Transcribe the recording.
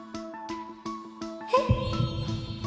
えっ？